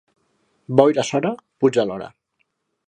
Boira a Sora, pluja alhora.